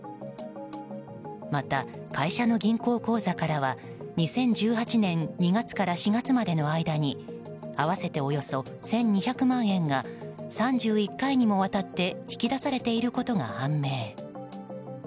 また、会社の銀行口座からは２０１８年２月から４月までの間に合わせておよそ１２００万円が３１回にもわたって引き出されていることが判明。